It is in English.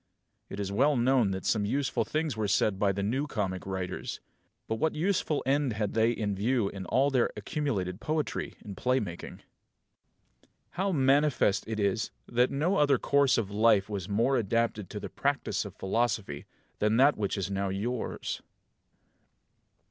It is well known that some useful things were said by the New Comic Writers; but what useful end had they in view in all their accumulated poetry and playmaking? 7. How manifest it is that no other course of life was more adapted to the practice of philosophy than that which now is yours.